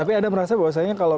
tapi anda merasa bahwa